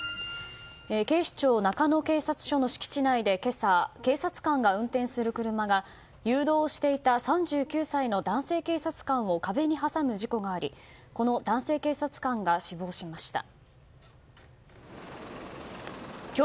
警視庁中野警察署の敷地内で今朝、警察官が運転する車が誘導していた３９歳の男性警察官を壁に挟む事故がありこの男性警察官が死亡しました。